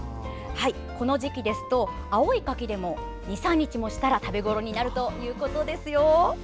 この時期ですと、青い柿でも２３日もしたら食べごろになるということです。